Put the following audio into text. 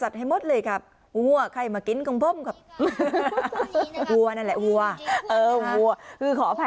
อ้วโหม้กใครมากินของผมครับหัวนั่นแหละหัวเออวัวคือขออภัย